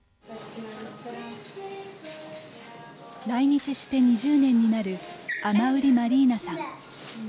来日して２０年になるアマウリ・マリーナさん。